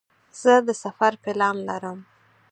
زه د سفر پلان لرم.